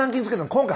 今回。